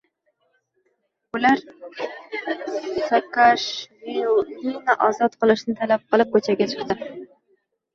Ular Saakashvilini ozod qilishini talab qilib ko‘chaga chiqdi